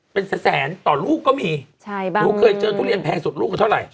เป็นแสนแสนต่อลูกก็มีใช่บ้างหนูเคยเจอทุเรียนแพงสุดลูกเท่าไหร